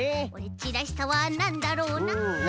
ちらしさはなんだろうな。